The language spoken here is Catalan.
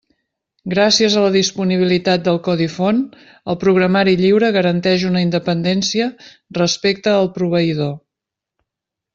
Gràcies a la disponibilitat del codi font, el programari lliure garanteix una independència respecte al proveïdor.